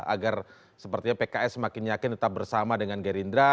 agar sepertinya pks semakin yakin tetap bersama dengan gerindra